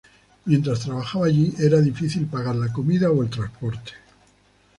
Mientras trabajaba allí era difícil pagar la comida o el transporte.